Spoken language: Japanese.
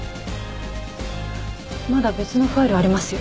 まだ別のファイルありますよ。